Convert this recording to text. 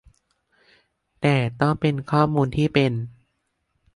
แต่ต้องเป็นข้อมูลที่เป็น